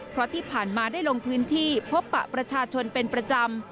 เพราะที่ผ่านมาได้ลงพื้นที่พบปะประชาชนเป็นประจำ